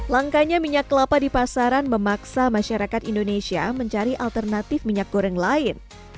langkanya minyak kelapa di pasaran memaksa masyarakat indonesia mencari alternatif minyak goreng lain